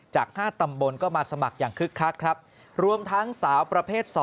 จาก๕ตำบลก็มาสมัครอย่างคึกคักครับรวมทั้งสาวประเภท๒